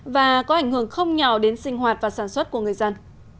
và có ảnh hưởng không nhỏ đến sinh hoạt và sản xuất của người dân